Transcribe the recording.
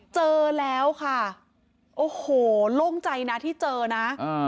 เจอแล้วค่ะโอ้โหโล่งใจนะที่เจอนะ